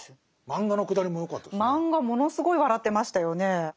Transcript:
漫画ものすごい笑ってましたよね。